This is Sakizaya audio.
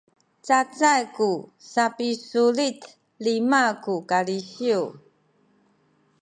cacay ku sapisulit lima ku kalisiw